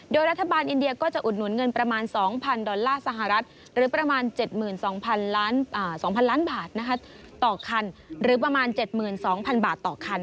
โดยรัฐบาลอินเดียก็จะอุดหนุนเงินประมาณ๒๐๐๐ดอลลาร์สหรัฐหรือประมาณ๗๒๐๐๐บาทต่อคัน